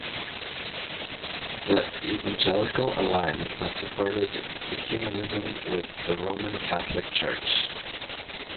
The Evangelical Alliance has supported ecumenism with the Roman Catholic Church.